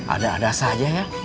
ada ada saja ya